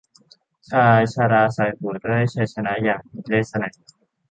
ชายชราส่ายหัวด้วยชัยชนะอย่างมีเลศนัย